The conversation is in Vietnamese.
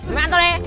mày ăn tao đi